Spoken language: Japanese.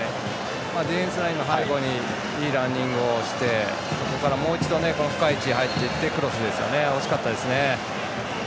ディフェンスラインの背後にいいランニングをしてそこからもう一度深い位置に入っていってクロスですからね惜しかったですね。